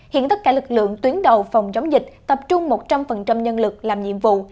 hiện tất cả lực lượng tuyến đầu phòng chống dịch tập trung một trăm linh nhân lực làm nhiệm vụ